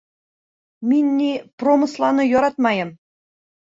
— Мин, ни, промысланы яратмайым.